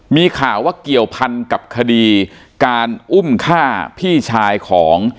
มีข่าวว่าเกี่ยวพันกับคดีการอุ้มฆ่าพี่ชายของ